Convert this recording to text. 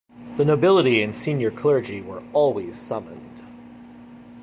The nobility and senior clergy were always summoned.